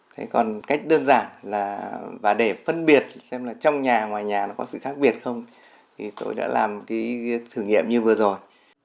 thế còn cách đơn giản là và để phân biệt xem là trong nhà ngoài nhà nó có sự khác biệt không thì tôi đã làm cái thử nghiệm như vừa rồi